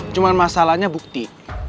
cuma masalahnya bukti